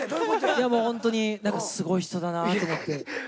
いやもうホントにすごい人だなと思って。